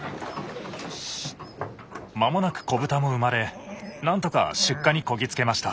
間もなく子豚も産まれ何とか出荷にこぎ着けました。